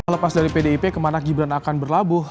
lepas dari pdip kemana gibran akan berlabuh